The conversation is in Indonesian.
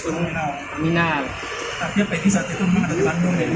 tapi peggy saat itu mengangkat di bandung ya